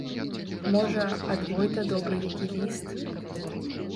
Можа, ад войта добры які ліст.